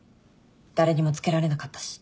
誰にも付けられなかったし。